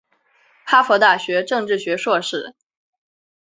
哈佛大学政治学硕士。